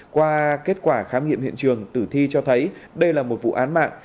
qua kết quả khám nghiệm hiện trường tử thi cho thấy đây là một vụ án mạng